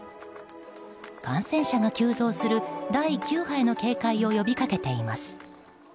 感染者が急増する第９波への警戒を呼びかけています。